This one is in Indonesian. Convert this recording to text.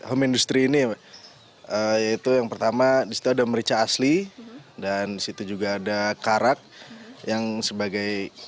untuk bahan bahan ini itu seperti apa pasti tidak akan ada